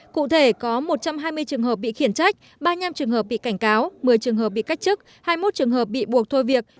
cụ thể có một trăm hai mươi trường hợp bị khiển trách ba mươi năm trường hợp bị cảnh cáo một mươi trường hợp bị cách chức hai mươi một trường hợp bị buộc thôi việc